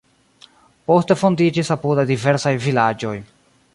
Poste fondiĝis apudaj diversaj vilaĝoj.